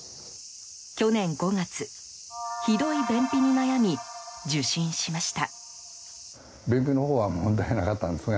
去年５月、ひどい便秘に悩み受診しました。